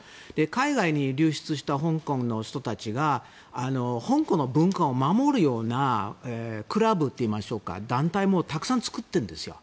海外に流出した香港の人たちが香港の文化を守るようなクラブといいますか団体もたくさん作ってるんですよ。